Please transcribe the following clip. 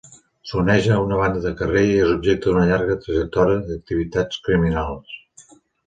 S'uneix a una banda de carrer i és objecte d'una llarga trajectòria d'activitats criminals.